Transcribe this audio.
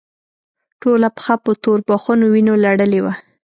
ټوله پښه په توربخونو وينو لړلې وه.